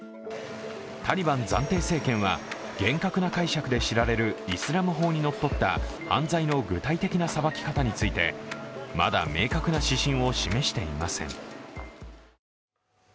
タリバン暫定政権は厳格な解釈で知られるイスラム法にのっとった犯罪の具体的な裁き方について、まだ明確な指針を示していません。